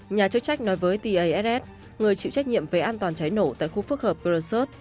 nhà chức trách nói với tass người chịu trách nhiệm về an toàn cháy nổ tại khu phức hợp procus